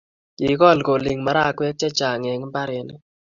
Kikol kolik marakwek che chang' eng' mbarenik